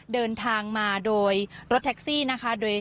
เดินทางมาโดยรถแท็กซี่นะคะ